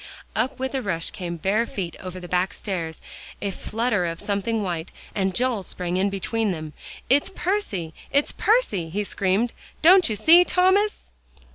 Up with a rush came bare feet over the back stairs; a flutter of something white, and Joel sprang in between them. "It's Percy it's Percy!" he screamed, "don't you see, Thomas?"